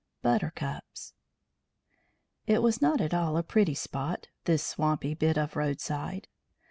BUTTERCUPS It was not at all a pretty spot, this swampy bit of roadside.